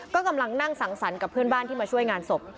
ก็กำลังนั่งสังสรรค์กับเพื่อนบ้านที่มาช่วยงานศพ